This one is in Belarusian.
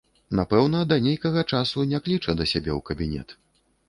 Напэўна, да нейкага часу не кліча да сябе ў кабінет.